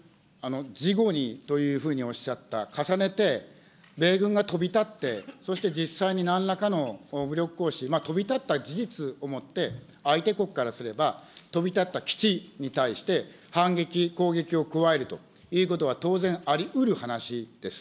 事後にというふうにおっしゃった、重ねて、米軍が飛び立って、そして実際になんらかの武力行使、まあ飛び立った事実をもって、相手国からすれば、飛び立った基地に対して反撃、攻撃を加えるということは当然ありうる話です。